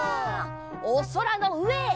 おそらのうえへ。